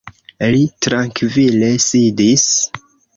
Li trankvile sidis.